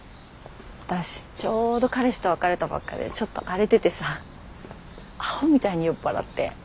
私ちょうど彼氏と別れたばっかでちょっと荒れててさアホみたいに酔っ払って。